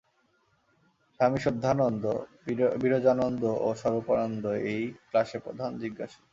স্বামী শুদ্ধানন্দ, বিরজানন্দ ও স্বরূপানন্দ এই ক্লাসে প্রধান জিজ্ঞাসু।